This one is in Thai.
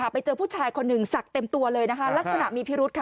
ไปเจอผู้ชายคนหนึ่งศักดิ์เต็มตัวเลยนะคะลักษณะมีพิรุธค่ะ